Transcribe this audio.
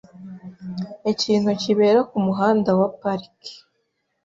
Ikintu kibera kumuhanda wa Park .